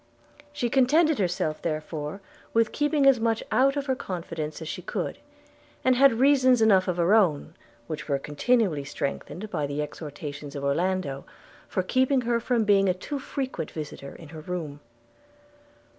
She contented herself therefore with keeping as much out of her confidence as she could; and had reasons enough of her own, which were continually strengthened by the exhortations of Orlando, for keeping her from being a too frequent visitor in her room.